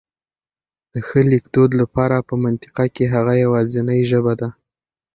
د ښه لیکدود لپاره په منطقه کي هغه يواځنۍ ژبه ده